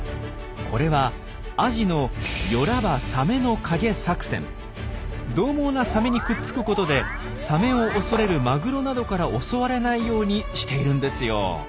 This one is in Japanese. これはアジのどう猛なサメにくっつくことでサメを恐れるマグロなどから襲われないようにしているんですよ。